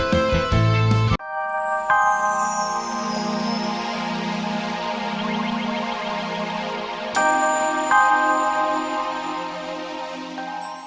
berharap aku datang